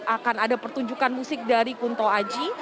akan ada pertunjukan musik dari kunto aji